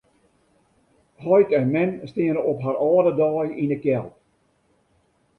Heit en mem steane op har âlde dei yn 'e kjeld.